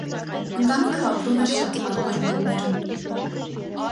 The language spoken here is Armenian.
Ընտանիքը ապրում էր շատ վատ պայմաններում։